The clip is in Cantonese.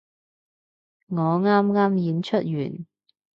我啱啱演出完